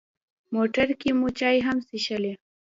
موټر کې مو چای هم څښلې.